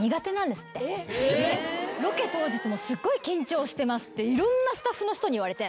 ロケ当日もすっごい緊張してますっていろんなスタッフの人に言われて。